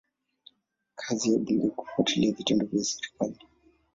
Kazi ya bunge ni kufuatilia vitendo vya serikali.